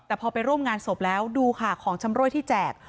แต่พอไปร่วมงานศพแล้วดูค่ะของชำรวยที่แจก